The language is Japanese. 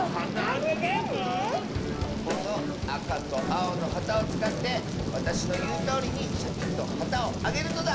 このあかとあおのはたをつかってわたしのいうとおりにシャキッとはたをあげるのだ！